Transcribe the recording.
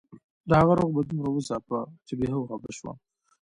د هغې روح به دومره وځاپه چې بې هوښه به شوه